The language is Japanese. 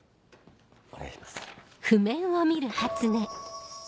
お願いします。